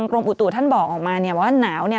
กรมอุตุท่านบอกออกมาเนี่ยว่าหนาวเนี่ย